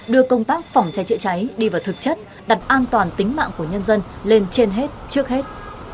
đưa công tác phòng cháy chữa cháy đi vào thực chất đặt an toàn tính mạng của nhân dân lên trên hết trước hết